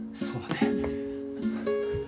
そうだね。